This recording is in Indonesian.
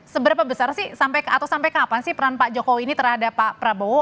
seberapa besar sih sampai atau sampai kapan sih peran pak jokowi ini terhadap pak prabowo